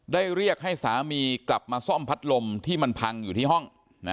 เรียกให้สามีกลับมาซ่อมพัดลมที่มันพังอยู่ที่ห้อง